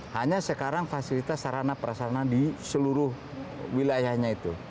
hanya sekarang fasilitas sarana perasarana di seluruh wilayahnya itu